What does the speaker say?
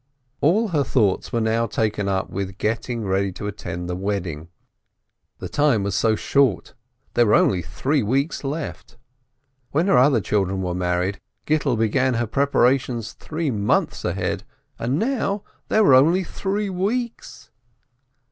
All her thoughts were now taken up with getting ready to attend the wedding; the time was so short — there were only three weeks left. When her other children were married, Gittel began her preparations three months ahead, and now there were only three weeks.